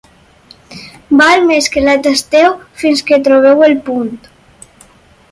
Val més que la tasteu fins que trobeu el punt.